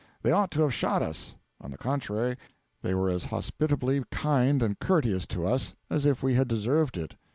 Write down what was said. They ought to have shot us; on the contrary, they were as hospitably kind and courteous to us as if we had deserved it.